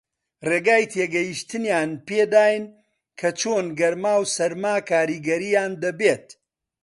ڕێگای تێگەیشتنیان پێ داین کە چۆن گەرما و سارما کاریگەرییان دەبێت